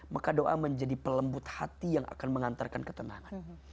maka doa menjadi pelembut hati yang akan mengantarkan ketenangan